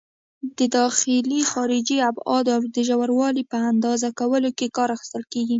د داخلي، خارجي ابعادو او د ژوروالي په اندازه کولو کې کار اخیستل کېږي.